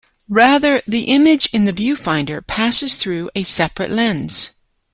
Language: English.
Rather, the image in the viewfinder passes through a separate lens.